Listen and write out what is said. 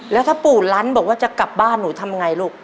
แล้วถ้าปู่ลั้นบอกว่าจะกลับบ้านหนูทำไงลูก